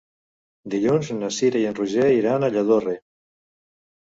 Dilluns na Cira i en Roger iran a Lladorre.